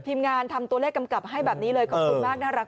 ทีมงานทำตัวเลขกำกับให้แบบนี้เลยขอบคุณมากน่ารัก